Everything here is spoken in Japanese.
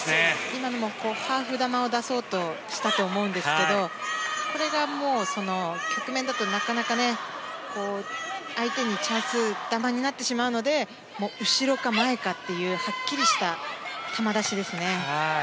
今のもハーフ球を出そうとしたと思うんですがこれがこの局面だとなかなか相手にチャンス球になってしまうので後ろか前かというはっきりした球出しですね。